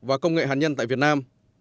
và công nghệ hàn nhân tại việt nam